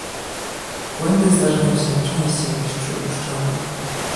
Błędy zdarzają się częściej niż przypuszczamy